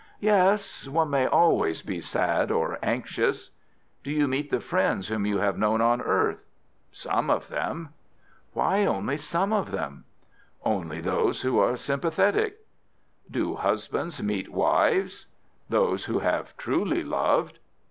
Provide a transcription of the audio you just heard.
"Yes; one may always be sad or anxious." "Do you meet the friends whom you have known on earth?" "Some of them." "Why only some of them?" "Only those who are sympathetic." "Do husbands meet wives?" "Those who have truly loved."